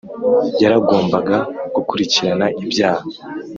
yaragombaga gukurikirana ibyaha